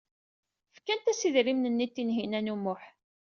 Fkant-as idrimen-nni i Tinhinan u Muḥ.